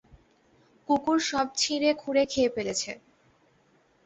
কুকুর সব ছিঁড়ে খুঁড়ে খেয়ে ফেলেছে।